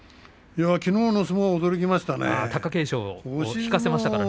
きのうの相撲驚きましたね、貴景勝戦。